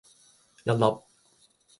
一粒